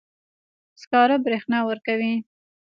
سکاره برېښنا ورکوي.